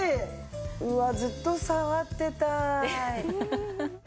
うわずっと触ってたい。